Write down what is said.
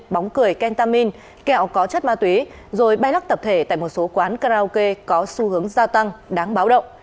pentamin kẹo có chất ma túy rồi bay lắc tập thể tại một số quán karaoke có xu hướng gia tăng đáng báo động